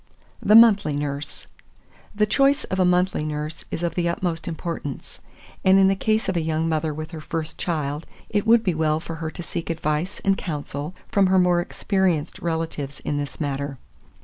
THE MONTHLY NURSE. 2429. The choice of a monthly nurse is of the utmost importance; and in the case of a young mother with her first child, it would be well for her to seek advice and counsel from her more experienced relatives in this matter.